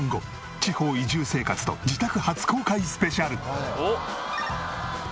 地方移住生活と自宅初公開スペシャル。